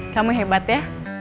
kamu hebat ya